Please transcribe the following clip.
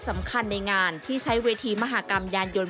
สำคัญในงานที่ใช้เวทีมหากรรมยานยนต์